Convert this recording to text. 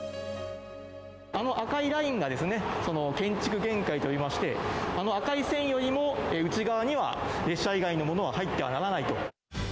あの赤いラインが、建築限界といいまして、あの赤い線よりも内側には列車以外のものは入ってはならないと。